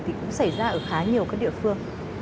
thì cũng xảy ra ở khá nhiều các địa phương